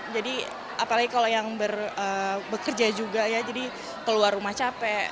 jadi apalagi kalau yang bekerja juga ya jadi keluar rumah capek